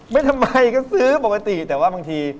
ไม่ทำไมก็ซื้อปกติแต่ว่าบางที